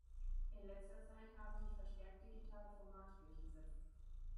In letzter Zeit haben sich verstärkt digitale Formate durchgesetzt.